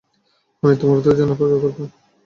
আমি তোমার উত্তরের জন্য অপেক্ষা করবো।